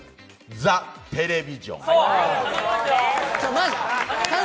ザテレビジョン。